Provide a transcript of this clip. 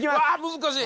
難しい！